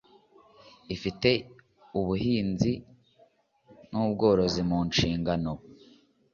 ifite ubuhinzi n ubworozi mu nshingano